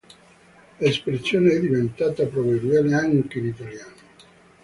L'espressione è diventata proverbiale anche in italiano.